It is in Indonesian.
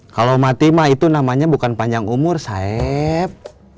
kalau mati itu namanya bukan panjang umur saeb